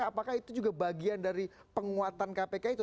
apakah itu juga bagian dari penguatan kpk itu